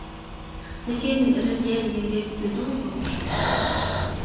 لېكىن رەددىيە دېگەن گەپ ئۆزىڭىزنىڭ چۈشىڭىز.